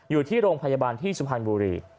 อยู่ที่โรงพยาบาลที่สุพรรณบุรี